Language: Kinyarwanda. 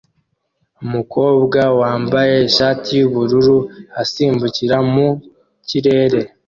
Umukobwa wambaye ishati yubururu asimbukira mu kirere